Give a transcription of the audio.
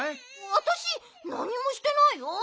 わたしなにもしてないよ。